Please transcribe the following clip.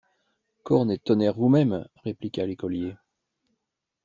Corne et tonnerre vous-même! répliqua l’écolier.